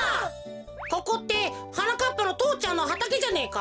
ここってはなかっぱの父ちゃんのはたけじゃねえか。